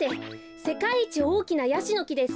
せかいいちおおきなヤシのきです。